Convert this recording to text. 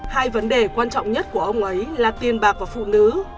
hai vấn đề quan trọng nhất của ông ấy là tiền bạc và phụ nữ